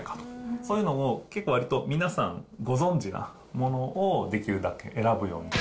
そういうのも、結構わりと皆さんご存じなものをできるだけ選ぶように。